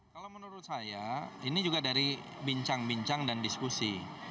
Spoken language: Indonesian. kalau menurut saya ini juga dari bincang bincang dan diskusi